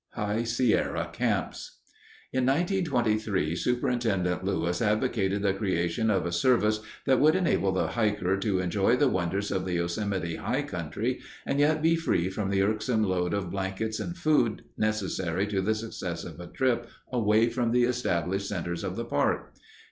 High Sierra Camps In 1923, Superintendent Lewis advocated the creation of a service that would enable the hiker to enjoy the wonders of the Yosemite high country and yet be free from the irksome load of blankets and food necessary to the success of a trip away from the established centers of the park.